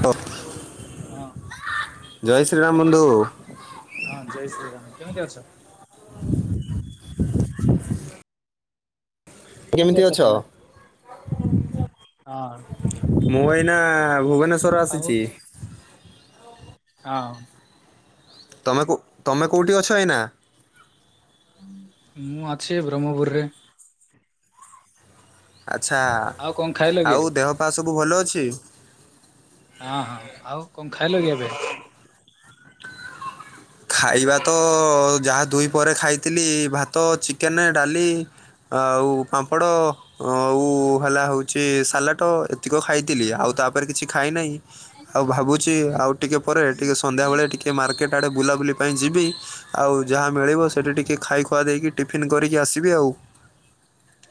ହ୍ୟାଲ ହଁ ଜୟ ଶ୍ରୀରାମ ବନ୍ଧୁ। ହଁ। ଜୟ ଶ୍ରୀ ରାମ। କେମିତି ଅଛ?। [unintelligible] କେମିତି ଅଛ ତମେ?। ହଁ ମୁଁ ଭଲ ଏଇନା ଭୁବନେଶ୍ଵର ଆସିଚି। ଆଉ ତମେ କଉ ତମେ କଉଠି ଅଛ ଏଇନା। ମୁଁ ଅଛି ବ୍ରହ୍ମପୁରରେ। ଆଚ୍ଛା ଆଉ କଣ ଖାଇଲ କି? ଆଉ ଦେହପା ସବୁ ଭଲ ଅଛି? ହଁ ହଁ ଆଉ କଣ ଖାଇଲ କି ଏବେ। ଖାଇବା ତ ଯାହା ଦୁଇ ପହରେ ଖାଇଥିଲି ଭାତ ଚିକେନ ଡାଲି ଆଉ ପାମ୍ପଡ଼। ଆଉ ହେଲା ହଉଚି ସାଲାଟ ଏତିକ ଖାଇଥିଲି ଆଉ ତାପରେ କିଛି ଖାଇନାହିଁ। ଆଉ ଭାବୁଚି ଆଉ ଟିକେ ପରେ ଟିକେ ସନ୍ଧ୍ୟାବେଳେ ଟିକେ ମାର୍କେଟ ଆଡେ ବୁଲାବୁଲି ପାଇଁ ଯିବି ଆଉ ଯାହା ମିଳିବ ସେଇଠି ଟିକିଏ ଖାଇଖୁଆ ଦେଇକି ଟିଫିନ୍ କରିକି ଆସିବି ଆଉ।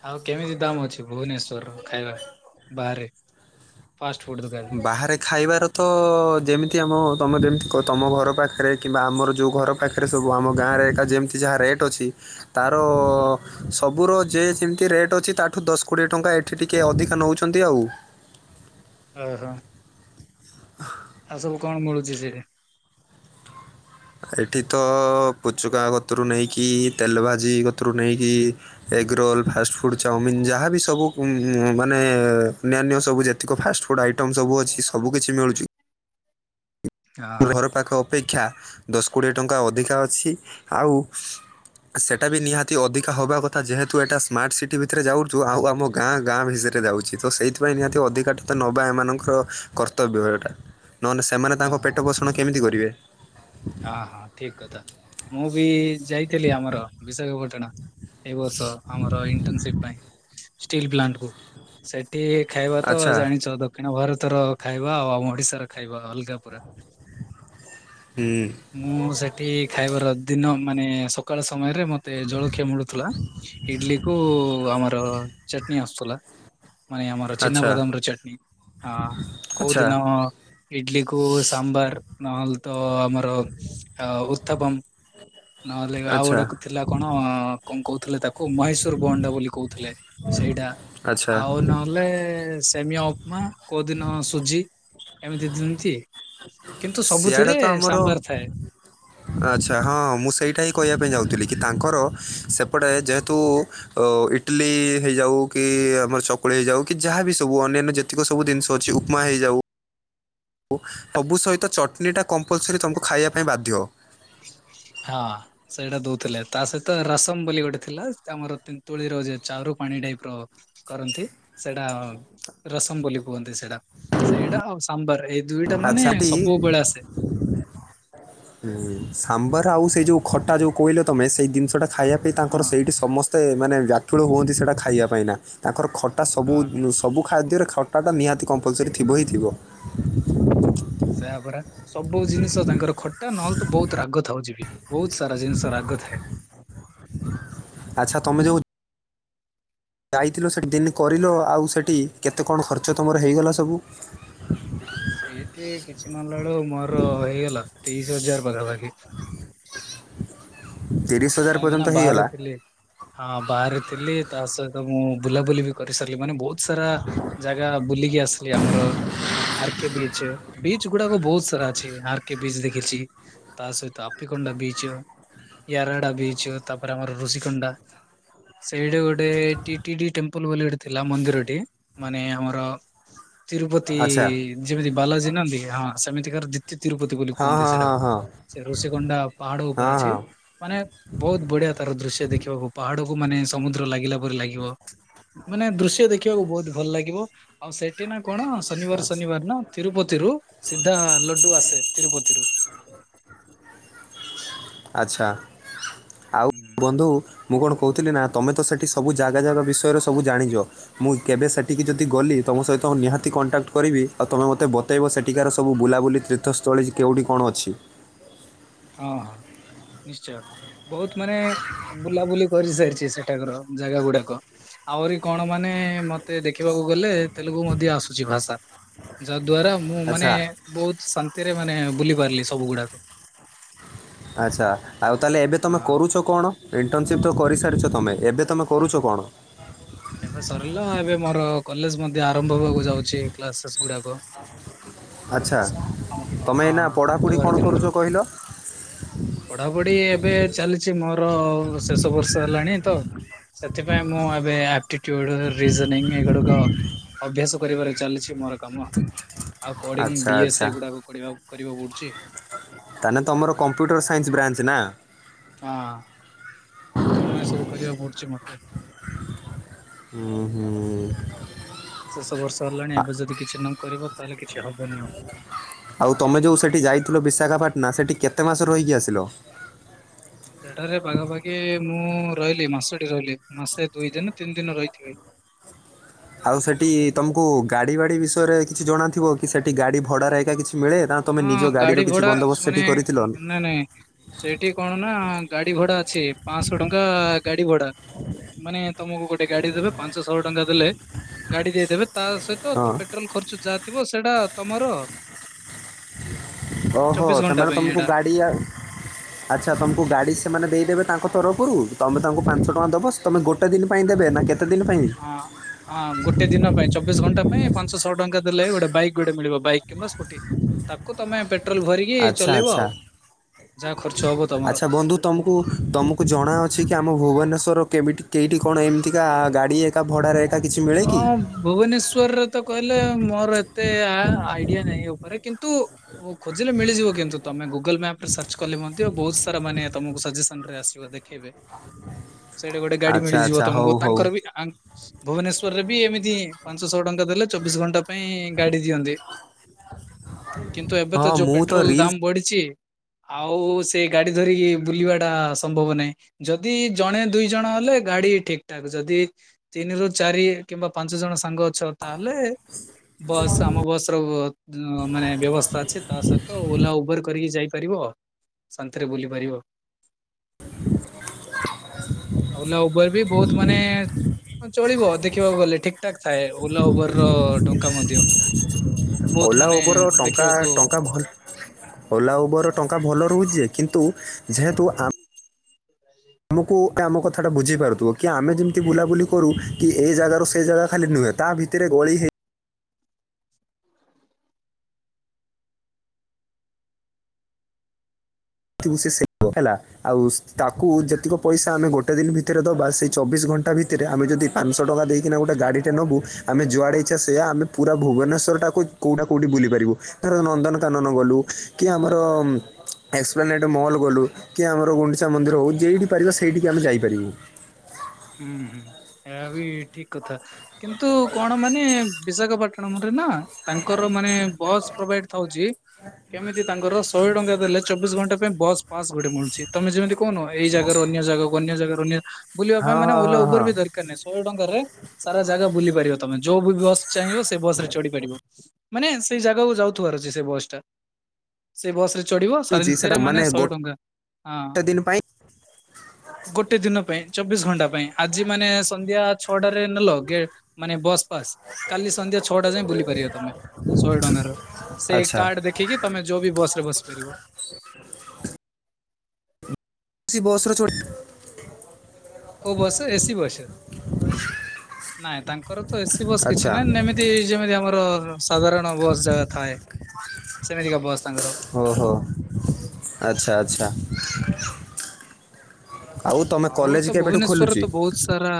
ଆଉ କେମିତି ଦାମ ଅଛି ଭୁବନେଶ୍ଵରର ଖାଇବା ବାହାରେ? ଫାଷ୍ଟଫୁଡ୍ ଦୋକାନରେ? ବାହାରେ ଖାଇବାର ତ ଯେମିତି ଆମ ତମେ ଯେମିତି ତମ ଘର ପାଖରେ କିମ୍ବା ଆମର ଯେଉଁ ଘର ପାଖରେ ସବୁ ଆମ ଗାଁରେ ଏକା ଯେମିତି ଯାହା ରେଟ୍ ଅଛି ତାର ହୁଁ ସବୁର ଯେ ଯେମିତି ରେଟ୍ ଅଛି ତାଠୁ ଦଶ କୋଡ଼ିଏ ଟଙ୍କା ଏଠି ଟିକିଏ ଅଧିକା ନଉଚନ୍ତି ଆଉ। ଓହୋ। ଆଉ ସବୁ କଣ ମିଳୁଛି ସେଇଠେ? ଏଠି ତ ପୁଚୁକା ଗତରୁ ନେଇକି ତେଲ ଭାଜି ଗତରୁ ନେଇକି ଏଗରୋଲ ଫାଷ୍ଟଫୁଡ ଚାଓମିିନ ଯାହାବି ସବୁ ମାନେ ଅନ୍ୟାନ୍ୟ ସବୁ ଯେ ଅଧିକ ଫାଷ୍ଟଫୁଡ୍ ଆଇଟମ୍ ସବୁ ଅଛି ସବୁ କିଛି ମିଳୁଚି। ହଁ ଘର ପାଖ ଅପେକ୍ଷା ଦଶ କୋଡ଼ିଏ ଟଙ୍କା ଅଧିକା ଅଛି ଆଉ ସେଇଟା ବି ନିହାତି ଅଧିକା ହବା କଥା ଯେହେତୁ ଏଇଟା ସ୍ମାର୍ଟ ସିଟି ଭିତରେ ଯାଉଛୁ ଆଉ ଆମ ଗାଁ ଗାଁ ଭିତରେ ଯାଉ ତ ସେଇଥିପାଇଁ ନିହାତି ଅଧିକା ତ ନେବା ଏମାନଙ୍କର କର୍ତ୍ତବ୍ୟ ଏଟା। ନହନେ ସେମାନେ ହଁ ତାଙ୍କ ପେଟ ପୋଷଣ କେମିତି କରିବେ। ଆ ହା ଠିକ କଥା ମୁଁ ବି ଯାଇଥିଲି ଆମର ବିଶାଖାପାଟଣା। ଏ ବର୍ଷ ଆମର ଇଣ୍ଟନସିପ ପାଇଁ ଷ୍ଟିଲ ପ୍ଲାଣ୍ଟ କୁ। ସେ ଠି ଖାଇବା ତ ଆଚ୍ଛା ଜାଣିଚ ଦକ୍ଷିଣ ଭାରତର ଖାଇବା ଆଉ ଆମ ଓଡିଶାର ଖାଇବା ଅଲଗା ପୁରା। ହୁଁ। ମୁଁ ସେଠି ଖାଇବାର ଦିନ ମାନେ ସକାଳ ସମୟରେ ମତେ ଜଳଖିଆ ମିଳୁଥିଲା ଇଡଲି କୁ ଆମର ଚଟନୀ ଆସୁଥିଲା। ମାନେ ଆମର ଆଚ୍ଛା ଚିନାବଦାମ ର ଚଟନୀ। ଆ ଆଚ୍ଛା କୋଉଦିନ ଇଡଲିକୁ ସାମ୍ବର ନହେଲେ ତ ଆମର ଉତ୍ଥପମ ନହଲେ ଆଉ ଆଚ୍ଛା ଗୋଟେ ଥିଲା କଣ? କଣ କହୁଥିଲେ ତାକୁ ମହେଶ୍ୱର ବଅଣ୍ଡା ବୋଲି କହୁଥିଲେ ସେଇଟା। ଆଚ୍ଛା ଆଉ ନହେଲେ ସେମି ମା କୋଉ ଦିନ ସୁଜି ଏମିତି ଦଅନ୍ତି। କିନ୍ତୁ ସିଆଡ଼େ ସବୁଥିରେ ତ ଆମର ସାମ୍ବର ଥାଏ। ଆଚ୍ଛା ହଁ ମୁଁ ସେଇଟା ହିଁ କହିବା ପାଇଁ ଯାଉଥିଲି କି ତାଙ୍କର ସେପଟେ ଯେହେତୁ। ଅ ଇଟଲିି ହେଇଯାଉ କି ଆମର ଚକୁଳି ହେଇଯାଉ କି ଯାହାବି ସବୁ ଅନ୍ୟାନ୍ୟ ଯେ ତିକ ସବୁ ଜିନିଷ ଅଛି ଉପମା ହେଇଯାଉ। ଉ ସବୁ ସହିତ ଚଟଣିଟା କମ୍ପଲସରି ତମକୁ ଖାଇବା ପାଇଁ ବାଧ୍ୟ। ହଁ। ସେଇଟା ଦଉଥିଲେ ତା ସହିତ ରସମ ବୋଲି ଗୋଟେ ଥିଲା ଆମର ତେନ୍ତୁଳିର ଯେ ଚାରୁ ପାଣି ଟାଇପର। କରନ୍ତି ସେଇଟା ରସମ ବୋଲି କୁହନ୍ତି ସେଇଟା ସେଇଟା ଆଉ ସାମ୍ବର ଏଇ ଦୁଇଟା ମାନେ ଆଚ୍ଛା ଟି ସବୁବେଳେ ଆସେ। ହୁଁ ସାମ୍ବର ଆଉ ସେ ଯଉ ଖଟା ଯଉ କହିଲ ତମେ ସେଇ ଜିନିଷଟା ଖାଇବା ପାଇଁ ହଁ ତାଙ୍କର ସେଇଠି ସମ ତେ ମାନେ ବ୍ୟାକୁୁଳ ହୁଅନ୍ତି ସେଇଟା ଖାଇବା ପାଇଁ ନା ତାଙ୍କର ଖଟା ସବୁ ହଁ। ଉଁ ସବୁ ଖାଦ୍ୟରେ ଖ ଖଟା ନିହାତି କମ୍ପଲସରି ଥିବ ହିଁ ଥିବ। ସେୟା ପରା ସବୁ ଜିନିଷ ତାଙ୍କର ଖଟା ନହେଲେ ତ ବହୁତ ରାଗ ଥାଉଚିବି। ବହୁତ ସାରା ଜିନିଷ ରାଗ ଥାଏ। ଆଚ୍ଛ ତମେ ଯୋଉ। ଯାଇଥିଲ ସେଠି ଦିନ କରିଲ ଆଉ ସେଠି କେତେ କଣ ଖର୍ଚ୍ଚ ତୁମର ହେଇଗଲା ସବୁ? ସେଇଠି କିଛି ନନ ନେଳୁ ମୋର ହେଇଗଲା ତେଇଶ ହଜାର ପାଖାପାଖି। ତିରିଶ ହଜାର କାହିଁକି ନା ପର୍ଯ୍ୟନ୍ତ ହେଇଗଲା ବାହାରେ ଥିଲି। ହଁ ବାହାରେ ଥିଲି ତା ସହିତ ମୁଁ ବୁଲାବୁଲି ବି କରିସାରିଲି ମାନେ ବହୁତ ସାରା। ଜାଗା ବୁଲିକି ଆସିଲି ଆମର। ଆର୍ କେ ବିଚ୍ ବିଚ୍ ଗୁଡାକ ବହୁତ ସାରା ଅଛି ଆର୍ କେ ବିଚ୍ ଦେଖିଛି। ତା ସହିତ ଆପିକୋଣ୍ଡା ବିଚ୍, ୟାରଡା ବିଚ୍ ତାପରେ ଆମର ଋଷିକୋଣ୍ଡା। ସେଇଠି ଗୋଟେ ଟି ଟି ଡ଼ି ଟେମ୍ପୁଲ ବୋଲି ଗୋଟେ ଥିଲା ମନ୍ଦିରଟେ ମାନେ ଆମର। ତିରୁପତି ଆଚ୍ଛା ଯେମିତି ବାଲାଜୀ ନାହାନ୍ତି କି ହଁ ସେମିତିକାର ତି-ତିରୁପତି ବୋଲି ହଁ କୁହନ୍ତି ହଁ ହଁ ସେଟାକୁ ହଁ ସେ ଋଷିକୋଣ୍ଡା ପାହାଡ ଉପରେ ହଁ ଅଛି ହଁ ମାନେ। ବହୁତ ବଢିଆ ତାର ଦୃଶ୍ୟ ଦେଖିବାକୁ ପାହାଡକୁ ମାନେ ସମୁଦ୍ର ଲାଗିଲା ପରି ଲାଗିବ। ମାନେ ଦୃଶ୍ୟ ଦେଖିବାକୁ ବହୁତ ଭଲ ଲାଗିବ ଆଉ ସେଠି ନା କଣ ଶନିବାର ଆଚ୍ଛା ଶନିବାର ନ ତିରୁପତିରୁୁ ସିଧା ଲଡୁ ଆସେ ତିରୁପତିରୁ। ଆଚ୍ଛା ଆଉ ହୁଁ, ବନ୍ଧୁ। ମୁଁ କଣ କହୁଥିଲି ନା ତମେ ତ ସେଠି ସବୁ ଜାଗା ଜାଗା ବିଷୟରେ ସବୁ ଜାଣିଛ। ମୁଁ କେବେ ସେଠିକି ଯଦି ଗଲି ତମ ସହିତ ନିହାତି କଣ୍ଟାକ୍ଟ କରିବି ଆଉ ତମେ ମତେ ବ ଵତେଇବ ସେଠିକାର ସବୁ ବୁଲାବୁଲି ତୀର୍ଥସ୍ଥଳୀ କେଉଠି କଣ ଅଛି। ହଁ ହଁ ନିଶ୍ଚୟ ବହୁତ ମାନେ ବୁଲାବୁଲି କରିସାରିଛି ସେଠାକର। ଜାଗା ଗୁଡାକ। ଆହୁରି କଣ ମାନେ ମତେ ଦେଖିବାକୁ ଗଲେ ତେଲୁଗୁ ମଧ୍ୟ ଆସୁଛି ଭାଷା ଯାଦ୍ଵାରା। ମୁଁ ମାନେ ଆଚ୍ଛା ବହୁତ ଶାନ୍ତିରେ ମାନେ ବୁଲି ପାରିଲି ସବୁ ଗୁଡାକ। ଆଚ୍ଛା ଆଉ ତାହେଲେ ଏବେ ତମେ ହଁ କରୁଛ। କଣ ଇଣ୍ଟର୍ନସିପ୍ ତ କରିସାରିଛ ତମେ ଏବେ ତମେ କରୁଛ କଣ? ଏବେ ସରିଲା ଏବେ ମୋର କଲେଜ ମଧ୍ୟ ଆରମ୍ଭ ହବାକୁ ଯାଉଛି କ୍ଲାସେସ୍ ଗୁଡାକ। ଆଚ୍ଛା ଆମର, ତମେ ଏଇନା ହଁ ପଢ଼ାପଢ଼ି ବୁଧବାର କଣ ଦିନରୁ। କରୁଛ କହିଲ? ପଢାପଢି ଏବେ ଚାଲିଛି ମୋର ଶେଷ ବର୍ଷ ହେଲାଣି ତ। ସେଥିପାଇଁ ମୁଁ ଏବେ ଆ ଟିଟ୍ୟୁଡ୍ ରିଜନିଙ୍ଗ୍ ଏଗୁଡ଼ାକ ଅଭ୍ୟାସ କରିବାରେ ଚାଲିଛି ମୋର। କାମ ଆଉ କୋଡିଙ୍ଗ୍ ଆଚ୍ଛା ଡି ଏସ୍ ଆଚ୍ଛା ଏ ଗୁଡାକ କରିବା କରିବାକୁ ପଡୁଛି। ତାହେନେ ତମର କମ୍ପ୍ୟୁଟର ସାଇନ୍ସ ବ୍ରାଞ୍ଚ ନା। ହଁ। ତେଣୁ ଏ ସବୁ କରିବାକୁ ପୁଡଛି ମୋତେ ଉଁ ହୁଁ ଶେଷ ବର୍ଷ ହେଲାଣି ଆ- ଏବେ ଯଦି କିଛି ନ କରିବ ତାହେଲେ କିଛି ହବନି ଆଉ ଆଉ ତମେ ଯୋଉ ସେଠି ଯାଇଥିଲ ବିଶାଖାପାଟ୍ନା ସେଠି କେତେ ମାସ ରହିକି ଆସିଲ ସେଠାରେ ପାଖାପାଖି ମୁଁ ରହିଲି ମାସଟି ରହିଲି ମାସେ ଦୁଇ ଦିନ ତିନି ଦିନ ରହିଥିଲି ଆଉ ସେଠି ତମକୁ ଗାଡ଼ି ବାଡ଼ି ବିଷୟରେ କିଛି ଜଣାଥିବ କି ସେଠି ଗାଡ଼ି ଭଡ଼ାରେ ଏକ ଏକା କିଛି ମିଳେ ନା ତମେ ନିଜ ହଁ ଗାଡ଼ିର ଗାଡି କିଛି ଭଡା ବନ୍ଦୋବସ୍ତ ସେଠି ମାନେ କରିଥିଲ ନାଇ ନାଇଁ ସେଇଠି କଣ ନା ଗାଡି ଭଡା ଅଛି ପାଁଶହ ଟଙ୍କା ଗାଡି ଭଡା ମାନେ ତମକୁ ଗୋଟେ ଗାଡି ଦେବେ ପାଞ୍ଚଶହ ଟଙ୍କା ଦେଲେ ଗାଡି ଦେଇଦେବେ ତା ସହିତ ହଁ ପେଟ୍ରୋଲ ଖର୍ଚ୍ଚ ଯାହା ଥିବ ସେଇଟା ତମର ଓହୋ ସେମାନେ ତମକୁ ଗାଡି ହ ଆଚ୍ଛା ତମକୁ ଗାଡ଼ି ସେମାନେ ଦେଇଦେବେ ତାଙ୍କ ତରଫରୁ ତମେ ତାଙ୍କୁ ପାଞ୍ଚ ଟଙ୍କା ଦବ ତମେ ଗୋଟ ଗୋଟେ ଦିନ୍ ପାଇଁ ଦେବେ ନା କେତେ ଦିନ ପାଇଁ ହଁ ହଁ ଗୋଟେ ଦିନ୍ ପାଇଁ ଚବିଶ ଘଣ୍ଟା ପାଇଁ ପାଞ୍ଚଶହ ଟଙ୍କା ଦେଲେ ଗୋଟେ ବାଇକ୍ ଗୋଟେ ମିଳିବ ବାଇକ୍ କିମ୍ବା ସ୍କୁଟି ତାକୁ ତମେ ପେ ପେଟ୍ରୋଲ ଭରିକି ଆଚ୍ଛା ଚଲେଇବ ଆଚ୍ଛା ଆଉ। ଯାହା ଖର୍ଚ୍ଚ ହବ ତମର। ଆଚ୍ଛା ବନ୍ଧୁ ତମକୁ, ତମକୁ ଜଣାଅଛି କି ଆମ ଭୁବନେଶ୍ୱର କେ, କେହିଠି କଣ, କେମିତିକା ଗାଡ଼ି ଏକା ଭଡ଼ାରେ, ଏକା କିଛି ମିଳେ କି ହଁ। ଭୁବନେଶ୍ଵରରେ ତ କହିଲେ, ମୋର ଏତେ ଆ ଆଇଡିଆ ନାହିଁ। ଉପରେ କିନ୍ତୁ, ହୋ ଖୁଜିଲେ ମିଳିଯିବ। କିନ୍ତୁ ତମେ ଗୁ ଗୁଗଲ ମ୍ୟାପରେ ସର୍ଚ୍ଚ କଲେ ମଧ୍ୟ, ବହୁତ ସାରା ମାନେ ତମକୁ ସଜେସନରେ ଆସିବ। ଦେଖେଇବେ ସେଇଟି ଗୋଟେ ଗାଡି ଆଚ୍ଛା ମିଳିଯିବ ଆଚ୍ଛା ହଉ ତମକୁ। ହଉ ତାଙ୍କର ବି ଭୁବନେଶ୍ଵରରେ ବି ଏମିତି, ପାଞ୍ଚଶହ ଟଙ୍କା ଦେଲେ, ଚବିଶ ଘଣ୍ଟା ପାଇଁ ଗାଡି ଦିଅନ୍ତି। କିନ୍ତୁ, ଏବେ ହଁ ତ ଯୋଉ ମୁଁ ପେଟ୍ରୋଲ ରିଲ୍ସ ଦାମ ବଢିଚି। ଆଉ ସେ ଗାଡି ଧରିକି ବୁଲିବା ଟା ସମ୍ଭବ ନାହିଁ। ଯଦି ଜଣେ ଦୁଇ ଜଣ ହେଲେ ଗାଡି ଠିକଠାକ୍। ଯଦି ତିନିରୁ, ଚାରି କିମ୍ବା ପାଞ୍ଚ ଜଣ ସାଙ୍ଗ ଅଛ, ତାହେଲେ ବସ୍, ଆମ ବସ୍ ର ମାନେ ବ୍ୟବସ୍ଥା ଅଛି। ତା ସହିତ ଓଲା, ଉବେର କରିକି ଯାଇପାରିବ ଆଉ। ଶାନ୍ତିରେ ବୁଲି ପାରିବ। ଓଲା ଉବର ବି ବହୁତ ମାନେ, ହଁ ଚଳିବ ଦେଖିବାକୁ ଗଲେ, ଠିକଠାକ୍ ଥାଏ। ଓଲା, ଉବର ଟଙ୍କା ମଧ୍ୟ। ବହୁତ ଓଲା, ମାନେ ଉବେର ଟଙ୍କା ଦେଖିବାକୁ ଟଙ୍କା ଭଲ। ଓଲା, ଉବେର, ଟଙ୍କା ଭଲ ରହୁଚି ଯେ କିନ୍ତୁ ଯେହେତୁ, [inaudible] ଆମକୁ ଆମ କଥା ଟା ବୁଝି ପାରୁଥିବ। କି ଆମେ ଯେମିତି ବୁଲାବୁଲି କରୁ, କି ଏଇ ଜାଗାରୁ ସେ ଜାଗା ଖାଲି ନୁହେଁ। ତା ଭିତ ରେ ଗଳି ହେ, ତୁସେ ସେ ସେପୋ ହେଲା। ଆଉ ତାକୁ ଯେତିକ ପଇସା ଆମେ ଗୋଟେ ଦିନ୍ ଭିତରେ ଦବା। ସେଇ ଚବିଶ ଘଣ୍ଟା ଭିତରେ ଆମେ ଯଦି, ପାଞ୍ଚଶହ ଟଙ୍କା ଦେଇକିନା ଗୋଟ ଗାଡ଼ିଟେ ନବୁ ଆମେ ଯୁଆଡ଼େ ଇଛା, ସେ ଆମେ ପୁରା ଭୁବନେଶ୍ୱରଟାକୁ କୋଉଟା କେଉଠି ବୁଲିପାରିବ। ଧର ନନ୍ଦନକାନନ ଗଲୁ, କି ଆମର ଏକ୍ସପ୍ଲାନେଟ ମଲ୍ ଗଲୁ। କି ଆମର ଗୁଣ୍ଡିଚା ମନ୍ଦିର ହେଉ, ଯେଇଠି ପାରିବ, ସେଇଠିକି ଆମେ ଯାଇପାରିବୁ। ହୁଁ, ହୁଁ ଏୟାବି ଠିକ୍ କଥା, କିନ୍ତୁ କଣ ମାନେ ବିଶାଖାପାଟଣମ ରେ ନା, ତାଙ୍କର ମାନେ ବସ୍ ପ୍ରୋଭାଇଡ୍ ଥାଉଚି କେମିତି ତାଙ୍କର ଶହେ ଟଙ୍କା ଦେଲେ ଚବିଶ ଘଣ୍ଟା ପାଇଁ ବସ୍ ପାସ ଗୋଟେ ମିଳୁଛି। ତମେ ଯେମିତି କହୁନ ଏଇ ଜାଗାରୁ, ଅନ୍ୟ ଜାଗାକୁ, ଅନ୍ୟ ଜାଗାରୁ, ଅନ୍ୟ ବୁ ହଁ ହଁ ମାନେ ଓଲା ହଁ ଉପର ହଁ ବି ଦରକାର ନଁ ଶଷୋହେ ଟଙ୍କାରେ ସାରା ଜାଗା ବୁଲି ପାରିବ ତମେ। ଯୋଉ ବି ବସ୍ ଚାହିଁବ ସେ ବସ ରେ ଚଢିପାରିବ। ମାନେ, ସେଇ ଜାଗାକୁ ଯାଉଥିବାର ଅଛି। ସେ ବସ୍ ଟା। ସେ ବସ ରେ ଚଢିବ, ମିଳୁଛି ସେଟା ସାନ୍ତିରେ ମାନେ ଶହେ ଗୋଟେ ଟଙ୍କା। ହଁ ଦିନ ପାଇଁ ଗୋଟେ ଦିନ ପାଇଁ, ଚବିଶ ଘଣ୍ଟା ପାଇଁ। ଆଜି ମାନେ ସନ୍ଧ୍ୟା ଛଅଟାରେ ନେଲ ଗେ ମାନେ ବସ୍ ପାସ୍। କାଲି ସନ୍ଧ୍ୟା ଛଅଟା ଯାଏ ବୁଲି ପାରିବ ତମେ। ଶହେ ଟଙ୍କା ର। ସେ ଆଚ୍ଛା କାର୍ଡ ଦେଖିକି ତମେ ଯୋଉ ବି ବସ ରେ ବସି ପାରିବ। କିସି ବସ୍ ଚଢି କୋଉ ବସ୍? AC bus. ନାଇଁ ତାଙ୍କର ତ ଏସି ବସ୍ କିଛି ଆଚ୍ଛା ନାହିଁ। [unintelligible] ଏମତି, ଯେମିତି ଆମର ସାଧାରଣ ବସ୍ ଯା ଥାଏ। ସେମିତିକା ବସ୍ ତାଙ୍କର। ହଉ, ହଉ। ଆଚ୍ଛା, ଆଚ୍ଛା। ତମେ ଆଉ କଲେଜ ତ କେବେଠୁ ଭୁବନେଶ୍ଵରରେ ଖୋଲୁଛି ତ ବହୁତ ସାରା।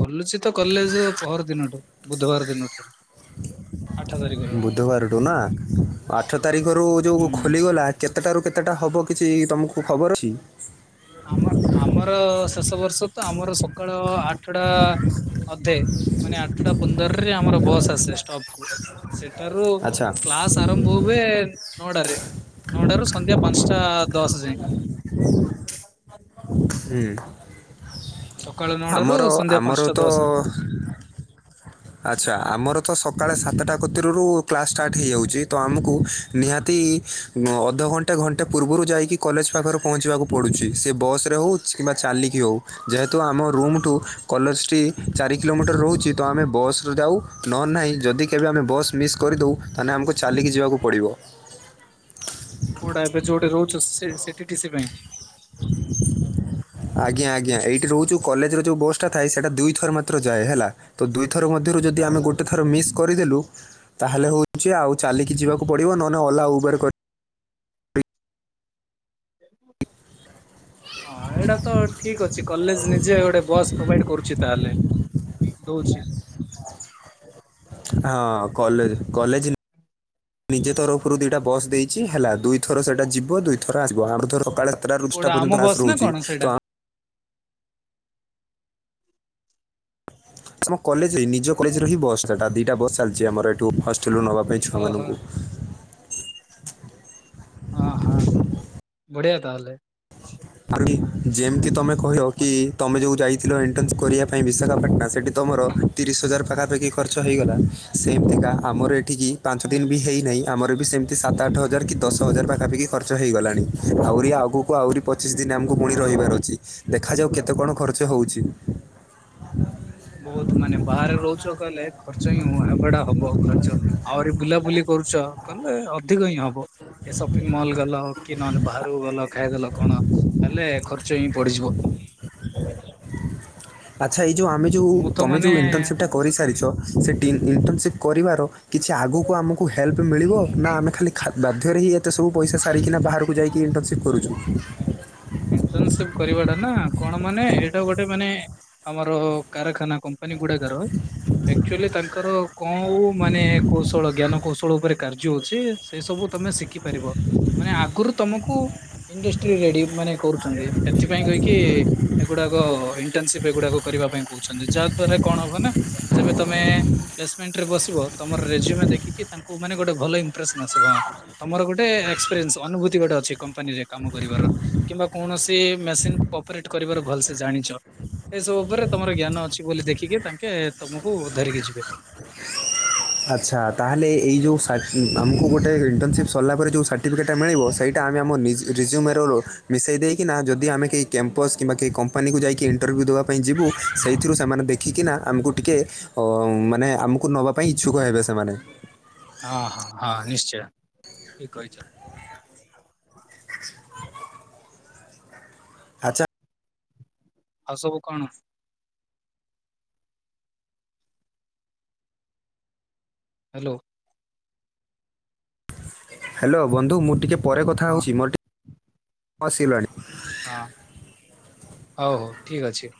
ଖୋଲୁଚି ତ କଲେଜ ପର ଦିନଠୁ। ବୁଧବାର ଦିନଠାରୁ। ଆଠ ତାରିଖରୁ ବୁଧବାରଠୁ ନା। ଆଠ ତାରିଖରୁ ଯୋଉ ହୁଁ। ଖୋଲିଗଲା କେତେଟାରୁ, କେତେଟା ହେବ କିଛି ତୁମକୁ ଖବର ଅଛି। ଆମ, ଆମର ଶେଷ ବର୍ଷ ତ ଆମର ସକାଳ ଆଠଟା ଅଧେ, ମାନେ ଆଠଟା ପନ୍ଦରରେ ଆମର ବସ୍ ଆସେ ଷ୍ଟପ କୁ। ସେଠାରୁ ଆଚ୍ଛା କ୍ଲାସ୍ ଆରମ୍ଭ ହୁଏ, ନଅଟା ରେ। ନଅଟା ରୁ ସଂନ୍ଧ୍ୟା ପାଞ୍ଚଟା ଦସ୍ ଯାଏ। [inaudible] ହୁ ସକାଳ ନଅଟାରୁ ଆମର ସନ୍ଧ୍ୟା ଆମର ପାଞ୍ଚଟା ତ ଦଶ ଆଚ୍ଛା ଆମର ତ ସକାଳେ ସାତ ଟା କତିରୁ କ୍ଲାସ୍ ଷ୍ଟାର୍ଟ ହେଇଯାଉଚି ତ ଆମକୁ ନିହାତି ଅ ଅଧଘଣ୍ଟେ ଘଣ୍ଟେ ପୂର୍ବରୁ ଯାଇକି କଲେଜ ପାଖରେ ପହଞ୍ଚିବାକୁ ପଡ଼ୁଚି। ସେ ବସ୍ ରେ ହଉ ସେ କିମ୍ବା ଚାଲିକି ଅଉ ଯେହେତୁ ଆମ ରୁମ୍ଠୁ କଲେଜ୍ଟି ଚାରି କିଲୋମିଟର୍ ରଉଚି ତ ଆମେ ବସ୍ ରେ ଯାଉ। ନ ନାଇଁ ଯଦି କେବେ ଆମେ ବସ୍ ମିସ୍ କରିଦଉ ତାନେ ଆମକୁ ଚାଲିକି ଯିବାକୁ ପଡ଼ିବ। କୋଡ଼ା ଏବେ ଯୋଉଟା ରଉଚ ସେ ସେଠି ଟିସି ପାଇଁ। [inaudible] ଆଜ୍ଞା! ଆଜ୍ଞା! ଏଇଟି ରଉଚୁ କଲେଜ୍ ରୁ ଯୋଉ ବୋସ୍ଟା ଥାଏ ସେଟା ଦୁଇଥର ମାତ୍ର ଯାଏ ହେଲା ତ ଦୁଇ ଥରକୁ ମଧ୍ୟରୁ ଯଦି ହଁ ଆମେ ହଁ। ଗୋଟେ ଥର ମିସ୍ କରିଦେଲୁ ତାହେଲେ ହଉଚି ଆଉ ଚାଲିକି ଯିବାକୁ ପଡ଼ିବ ନହେନେ ଅଲା ଉବେଡ଼ କରି [inaudible] ଅଁ ଏଇଡ଼ାତ ଠିକ୍ ଅଛି କଲେଜ୍ ନିଜେ ଗୋଟେ ବସ୍ ପ୍ରୋଭାଇଡ୍ କରୁଛି ତାହେଲେ। ଦଉଚି। ଆଁ କଲେଜ କଲେଜ୍ ନିଜେ ତରଫରୁ ଦୁଇଟା ବସ୍ ଦେଇଚି ହେଲା ଦୁଇଥର ସେଟା ଯିବ ଦୁଇଥର ଆସିବ। ଆମେଥର ସକାଳେ ତ୍ରା ରୁଷ୍ଟା କୋଉଟା ଆମ ପୁର୍ଯ୍ୟନ୍ତ ବସ୍ ନା ରଉଚି କଣ ସେଇଟା? ତ ଆ ସାମୁ କଲେଜ୍ ଏଇ ନିଜ କଲେଜରୁ ହିଁ ବସ୍ ସା ଟା ଦିଟା ବସ୍ ଚାଲ୍ଚି ଆମର ଏଠୁ ହଷ୍ଟେଲ ରୁ ନବା ଅହ। ଆଃ ବଢି଼ଆ ତାହେଲେ। [unintelligible] ଯେମ୍ତି ତମେ କହିଅ କି ଅନ୍- ତମେ ଯୋଉ ଯାଇଥିଲ ଏନଟେନ୍ସ୍ କରିଆ ପାଇଁ ବିଶାଖାପାଟ୍ଣା ସେଟି ତମର ତିରିଶ୍ ହଜାର୍ ପାଖାପେଖି ଖର୍ଚ୍ଚ ହେଇଗଲା। ସେମ୍ତିକା ଆମର ଏଠିକି ପାଞ୍ଚ୍ ହୁଁ ଦିନ୍ ବି ହେଇନାଇ। ଆମର ବି ସେମ୍ତି ସାତ ଆଠ ହଜାର୍ କି ଦଶ ହଜାର୍ ପାଖାପେଖି ଖର୍ଚ୍ଚ ହେଇଗଲାଣି ଆଉରି ଆଗକୁ ଆଉରି ପଚିଶ୍ ଦିନ୍ ଆମ୍ କୁ ପୁଣି ହଁ। ରହିବାର୍ ଅଛି ଦେଖାଯାଉ କେତେ କଣ ଖର୍ଚ୍ଚ ହେଉଚି। ବହୁତ୍ ମାନେ ବାହାରେ ରଉଚ କଏ ଲେ ଖର୍ଚ୍ଚ ହିଁ ହୁଁଆ ହେବା ଟା ହବ ଖର୍ଚ୍ଚ। ଆଉରି ବୁଲାବୁଲି କରୁଚ କଲେ ଅ ଧିକ ଇଁ ହବ ଏ ସପିଙ୍ଗ୍ ମଲ୍ ଗଲ କି ନଏଲ୍ ବାହାରକୁ ଗଲ ଖାଇଆଦେଲ କଣ ହେଲେ ଖର୍ ଚେଇଁ ପଡ଼ିଯିବ। ଆଚ୍ଛା ଇ ଯୋଉ ଆମେ ଯୋଉ ମୁଁ ତ ତମେ ଯୋଉ ମାନେ ଇଣ୍ଟନ୍ସିପ୍ଟା କରିସାରିଛ। ସେ ଡିଲ୍ ଇ ଇଣ୍ଟେନସିଭ୍ କରିବାର କିଛି ଆଗକୁ ଆମକୁ ହେଲ୍ପ ମିଳିବ ନା ଆମେ ଖାଲି ଖାତ୍ ବାଧ୍ୟରେ ହି ଏତେ ସବୁ ପଇସା ସାରିକିନା ବାହାରକୁ ଯାଇକି ଇଣ୍ଟନ୍ସିପ୍ କରଚୁ। ଇଣ୍ଟନ୍ସିପ୍ କରିବାଟା ନାଁ କଣ ମାନେ ଏଇଟା ଗୋଟେ ମାନେ ଆମର କାରାଖାନା କମ୍ପାନୀ ଗୁଡ଼ାକର। ଏକ୍ଚୁଆଲି ତାଙ୍କର କଉଁ ମାନେ କୌଶଳ ଜ୍ଞାନ କୌଶଳ ଉପରେ କାର୍ଯ୍ୟ ହଉଚି। ସେସବୁ ତମେ ଶିଖି ପାରିବ ମାନେ ଆଗରୁ ତମକୁ ଇଣ୍ଡେଷ୍ଟ୍ରି ରେଡି ମାନେ କରୁଚନ୍ତି ଏଥିପାଇଁ କଇକି ଏଗୁଡ଼ାକ ଇଣ୍ଟେନ୍ସିପ୍ ଏଗୁଡ଼ାକ କରିବା ପାଇଁ କଉଛନ୍ତି ଯାହାଦ୍ଵାରା କଣ ହବ ନା ଯେବେ ତମେ ପ୍ଲେସ୍ମେଣ୍ଟ ରେ ବସିବ ତମର୍ ରେଯିମ ଦେଖିକି ତାଙ୍କୁ ମାନେ ଗୋଟେ ଭଲ ଇମ୍ପ୍ରେସନ୍ ଆସିବ ହଁ ତମର ଗୋଟେ ଏକ୍ସପ୍ରେନ୍ସ୍ ଅନୁଭୂତି ଗୋଟେ ଅଛି କମ୍ପାନୀରେ କାମ କରିବାର। କିମ୍ବା କୌଣସି ମେସିନ୍ କୁ ଅପ୍ରେଟ୍ କରିବାର ଭଲ୍ସେ ଜାଣିଛ। ଏସବୁ ଉପରେ ତମର ଜ୍ଞାନ ଅଛି ବୋଲି ଦେଖିକି ତାଙ୍କେ ତମକୁ ଧରିକି ଯିବେ। ଆଚ୍ଛା ତାହେଲେ ଏଇ ଯୋଉ ସା ଉଁ ଆମ୍ କୁ ଗୋଟେ ଇଣ୍ଟନ୍ସିପ୍ ସର୍ଲା ପରେ ଯେଉଁ ସାର୍ଟିଫିକେଟ୍ଟା ମିଳିବ ସେଇଟା ଆମେ ଆମ ନିଜ୍ ରିଜ୍ୟୁମେରର। ମିଶେଇ ଦେଇକିନା ଯଦି ଆମେ କେଇ କେମ୍ପସ୍ କିମ୍ବା କେଇ କମ୍ପାନୀକୁ ଯାଇକି ଇଣ୍ଟର୍ବ୍ୟୁ ଦବା ପାଇଁ ଯିବୁ ସେଇଥିରୁ ସେମାନେ ଦେଖ ଖିକିନା ଆମ୍ କୁ ଟିକେ ଅ ମାନେ ଆମ୍ କୁ ନବା ପାଇଁ ଇଚ୍ଛୁକ ହେବେ ସେମାନେ। ହାଁ ହାଁ ହଁ ନିଶ୍ଚୟ ଠିକ୍ କହିଚ। ଆଚ୍ଛା ଆଉ ସବୁ କଣ। ହ୍ୟାଲୋ ହ୍ୟାଲୋ ବନ୍ଧୁ ମୁଁ ଟିକେ ପରେ କଥା ହଁ ହଉଛି ମୋର ଟିକେ କଣ ଆସିଲାଣି ହଁ ହଉ ହଉ ଠିକ ଅଛି